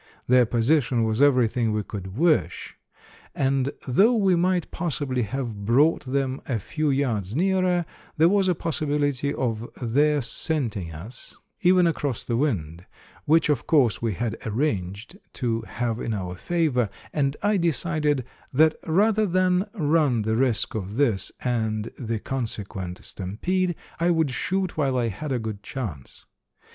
Their position was everything we could wish, and though we might possibly have brought them a few yards nearer, there was a possibility of their scenting us, even across the wind, which, of course, we had arranged to have in our favor, and I decided that rather than run the risk of this and the consequent stampede, I would shoot while I had a good chance.